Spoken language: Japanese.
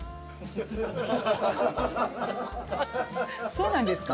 そうなんですか？